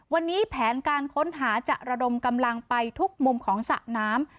วันนี้แผนการค้นหาจะระดมกำลังไปทุกมุมของสระน้ำ